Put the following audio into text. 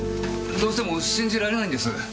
どうしても信じられないんです。